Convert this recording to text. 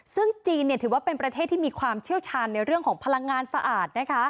ซึ่งจีนถือว่าเป็นประเทศที่มีความเชี่ยวชาญในเรื่องของพลังงานสะอาด